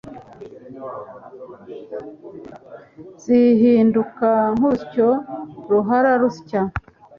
zihinduka nk’urusyo ruhora rusya,